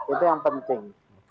itu yang penting